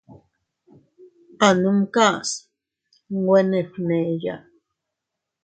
A numkas nwe ne fgneya.